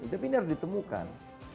tapi ini harus ditemukan